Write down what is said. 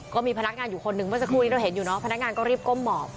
ก็มีพนักงานอยู่คนหนึ่งเมื่อสักครู่นี้เราเห็นอยู่เนาะพนักงานก็รีบก้มหมอบ